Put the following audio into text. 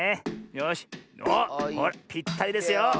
よしおっぴったりですよ。